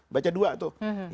baca dua tuh